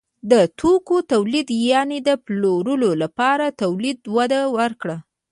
د توکو تولید یعنې د پلورلو لپاره تولید وده وکړه.